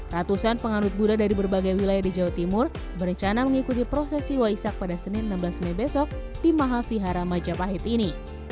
ratusan penganut buddha dari berbagai wilayah di jawa timur berencana mengikuti prosesi waisak pada senin enam belas mei besok di mahafihara majapahit ini